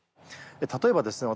例えばですね